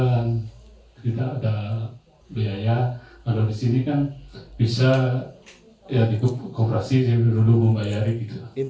intinya dimudahkan pak ya